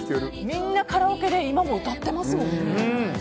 みんなカラオケで今も歌ってますもんね。